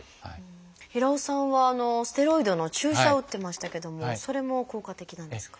平尾さんはステロイドの注射を打ってましたけどもそれも効果的なんですか？